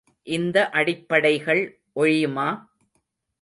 இந்த அடிப்படைகள் ஒழியுமா?